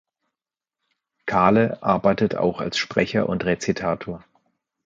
Kahle arbeitet auch als Sprecher und Rezitator.